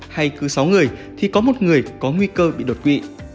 hay cứ sáu người thì có một người có nguy cơ bị đột quỵ